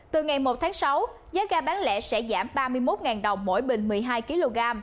từ ngày một tháng sáu giá ga bán lẻ sẽ giảm ba mươi một đồng mỗi bình một mươi hai kg